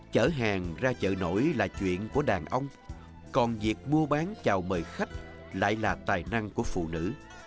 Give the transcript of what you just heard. chở hàng ra chợ nổi là chuyện của đàn ông còn việc mua bán chào mời khách lại là tài năng của phụ nữ